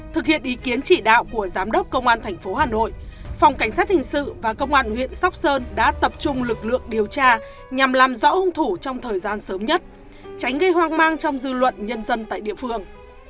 thực hiện ý kiến chỉ đạo của giám đốc công an thành phố hà nội phòng cảnh sát hình sự và công an huyện sóc sơn đã tập trung lực lượng điều tra nhằm làm rõ hung thủ trong thời gian sớm nhất tránh gây hoang mang trong dư luận nhân dân tại địa phương